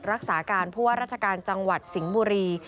รักษาการผู้ว่าราชการจังหวัดสิงห์บุรี